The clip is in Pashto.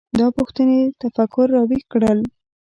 دا پوښتنې تفکر راویښ کړل.